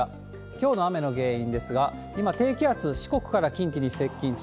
きょうの雨の原因ですが、今、低気圧、四国から近畿に接近中。